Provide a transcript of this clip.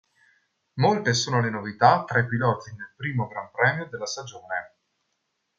Molte sono le novità tra i piloti nel primo gran premio della stagione.